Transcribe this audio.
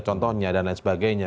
contohnya dan lain sebagainya